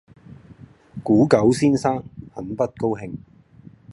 古久先生很不高興。